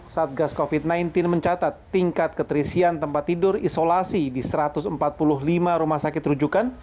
satgas covid sembilan belas mencatat tingkat keterisian tempat tidur isolasi di satu ratus empat puluh lima rumah sakit rujukan